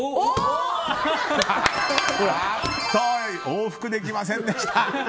往復できませんでした。